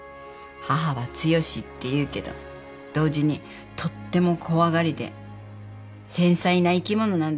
母は強しっていうけど同時にとっても怖がりで繊細な生き物なんだよ。